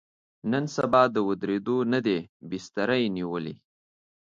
نن سبا د ودرېدو نه دی، بستره یې نیولې.